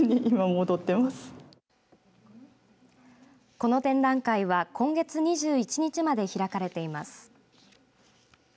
この展覧会は今月２１日まで開かれています。